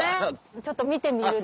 ちょっと見てみるだけ。